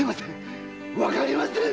わかりませぬ！